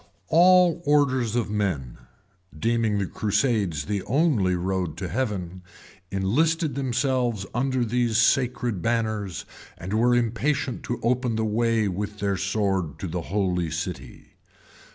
All orders of men, deeming the crusades the only road to heaven, enlisted themselves under these sacred banners, and were impatient to open the way with their sword to the holy city.